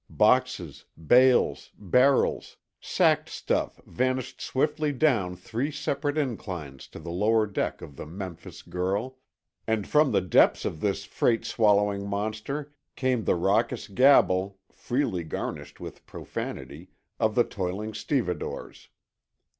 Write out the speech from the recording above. Boxes, bales, barrels, sacked stuff vanished swiftly down three separate inclines to the lower deck of the Memphis Girl, and from the depths of this freight swallowing monster came the raucous gabble, freely garnished with profanity, of the toiling stevedores.